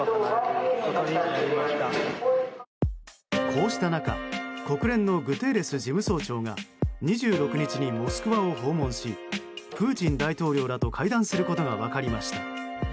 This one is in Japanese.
こうした中国連のグテーレス事務総長が２６日にモスクワを訪問しプーチン大統領らと会談することが分かりました。